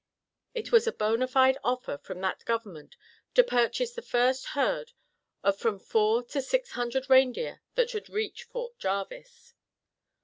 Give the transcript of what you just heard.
It was a bonafide offer from that Government to purchase the first herd of from four to six hundred reindeer that should reach Fort Jarvis.